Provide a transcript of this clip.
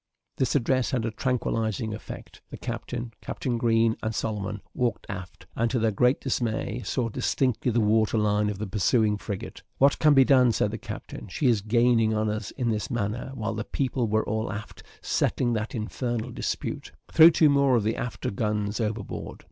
This address had a tranquillising effect. The captain, Captain Green, and Solomon, walked aft; and, to their great dismay, saw distinctly the water line of the pursuing frigate. "What can be done?" said the captain; "she has gained on us in this manner, while the people were all aft settling that infernal dispute. Throw two more of the after guns overboard."